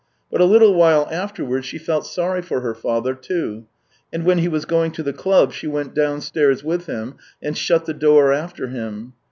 But a little while afterwards she felt sorry for her father, too, and when he was going to the club she went downstairs with him, and shut the door after him.